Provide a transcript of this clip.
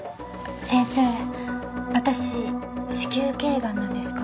先生私子宮頸癌なんですか？